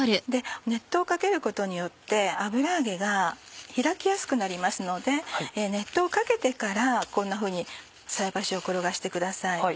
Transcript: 熱湯をかけることによって油揚げが開きやすくなりますので熱湯をかけてからこんなふうに菜箸を転がしてください。